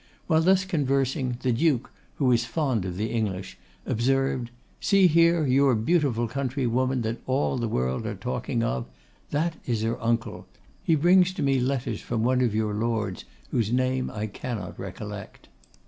While thus conversing, the Duke, who is fond of the English, observed, 'See, here is your beautiful countrywoman that all the world are talking of. That is her uncle. He brings to me letters from one of your lords, whose name I cannot recollect.